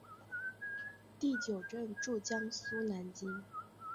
第九镇驻江苏南京。